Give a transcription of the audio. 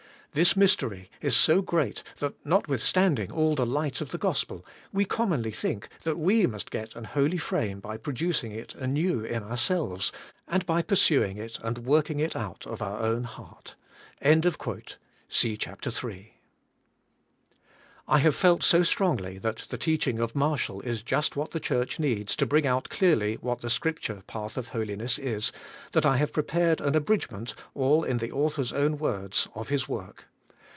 This mystery is so great, that notwithstanding all the light of the Gospel, we commonly think that we must get an holy frame by producing it anew in ourselves, and by pursuing it and working it out of our own heart' {see chap, iii,),^ * I have felt so strongly that the teaching of Marshall is just what the Church needs to bring out clearly what the Scripture path of holiness is, that I have prepared an abridgment (all in the author's own words) of his work.